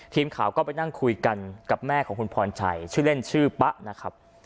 ทีมข่าวก็ไปนั่งคุยกันกับแม่ของคุณพรชัยชื่อเล่นชื่อป๊ะนะครับ